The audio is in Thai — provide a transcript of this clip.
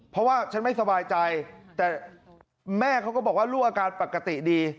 เพราะว่าฉันไม่สบายใจแต่แม่เขาก็บอกว่าลูกอาการปกติดี